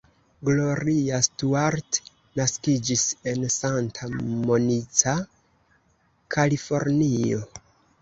Gloria Stuart naskiĝis en Santa Monica, Kalifornio.